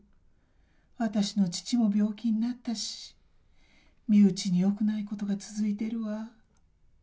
私の父も病気になったし、身内によくないことが続いているわ。